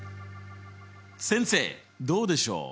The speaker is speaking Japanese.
先生どうでしょう？